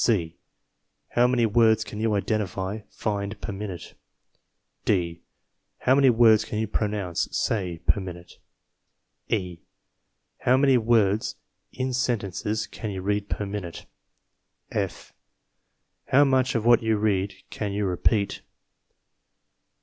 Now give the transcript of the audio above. C How many words can you identify (find) per minute? D. How many words can you pronounce (say) per minute? E. How many words in sentences can you read per minute? F. How much of what you read can you repeat?